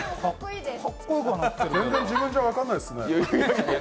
全然自分じゃ分からないですね。